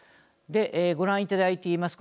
ご覧いただいています